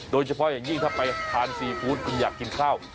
โดยเฉพาะอย่างยิ่งถ้าไปทานซีฟู้ดคุณอยากกินข้าว